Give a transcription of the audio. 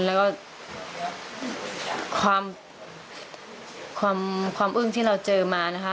แล้วก็ความความอึ้งที่เราเจอมานะคะ